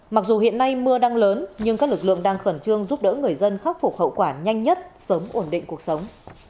mặc dù hiện nay mưa đang lớn nhưng các lực lượng đang khẩn trương giúp đỡ người dân khắc phục hậu quả nhanh nhất sớm ổn định cuộc sống